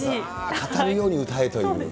語るように歌えという。